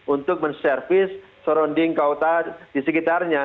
untuk menservis surrounding kota di sekitarnya